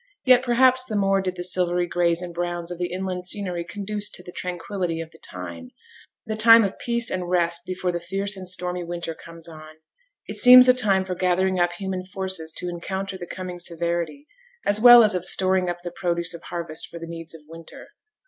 Yet, perhaps, the more did the silvery grays and browns of the inland scenery conduce to the tranquillity of the time, the time of peace and rest before the fierce and stormy winter comes on. It seems a time for gathering up human forces to encounter the coming severity, as well as of storing up the produce of harvest for the needs of winter.